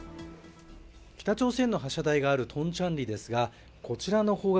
北朝鮮の発射台があるトンチャンリですが、こちらの方角